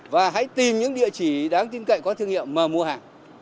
và hãy tìm những địa chỉ đáng tin cậy có thương hiệu mà mua hàng